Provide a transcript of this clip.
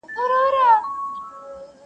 کليوال هلکان د پیښي په اړه خبري سره کوي,